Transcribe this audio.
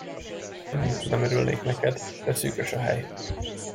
Nem mintha nem örülnék neked, de szűkös a hely.